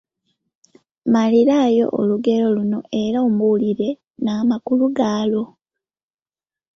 Mmaliraayo olugero luno era ombuulire n’amakulu gaalwo.